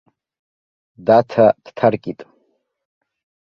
Даҭа дҭаркит.